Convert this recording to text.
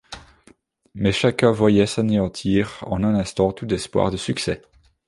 Mais chacun voyait s’anéantir en un instant tout espoir de succès.